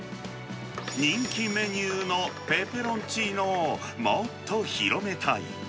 人気メニューのペペロンチーノをもっと広めたい。